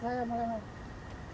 saya mulai main basket